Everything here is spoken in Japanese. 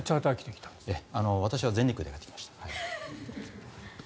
私は全日空できました。